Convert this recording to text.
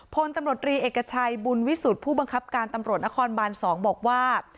พลตำรวจรีเอกชัยบุญวิสุทธิ์ผู้บังคับการตำรวจนครบาน๒บอกว่า